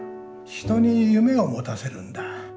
人に夢を持たせるんだ。